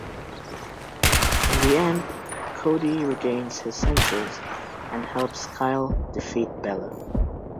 In the end, Cody regains his senses and helps Kyle defeat Bella.